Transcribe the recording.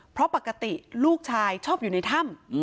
เพราะปกติลูกชายชอบอยู่ในถ้ำ